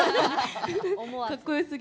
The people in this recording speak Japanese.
かっこよすぎ。